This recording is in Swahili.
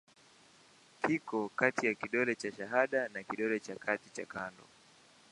Kiko kati ya kidole cha shahada na kidole cha kati cha kando.